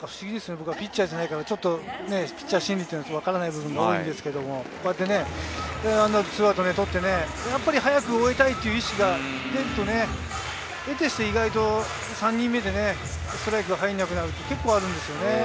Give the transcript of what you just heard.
僕はピッチャーじゃないから、ピッチャー心理がわからない部分も多いんですけれど２アウトを取って早く終えたいという意識が出ると、得てして、３人目でストライクが入らなくなるって結構あるんですよね。